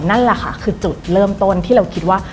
นั่นแหละค่ะคือจุดเริ่มต้นที่เราคิดว่า